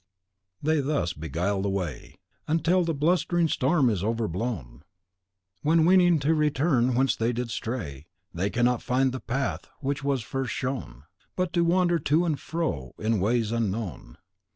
CHAPTER 4.XI. They thus beguile the way Untill the blustring storme is overblowne, When weening to returne whence they did stray, They cannot finde that path which first was showne, But wander to and fro in waies unknowne.